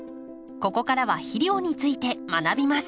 ここからは肥料について学びます。